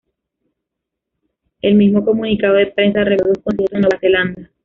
El mismo comunicado de prensa reveló dos conciertos en Nueva Zelanda.